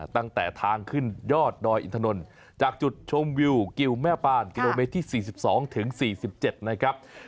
ตั้งแต่ทางขึ้นยอดดอยอินถนนจากจุดชมวิวกิวแม่ปานกิโลเมตรที่๔๒ถึง๔๗นะครับ